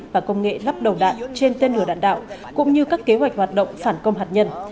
và công nghệ lắp đầu đạn trên tên lửa đạn đạo cũng như các kế hoạch hoạt động phản công hạt nhân